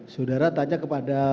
saudara tanya kepada